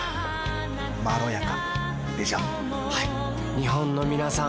日本のみなさん